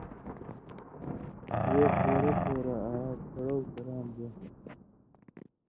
وے پورہ پورہ آ چھڑؤ کراں بین٘س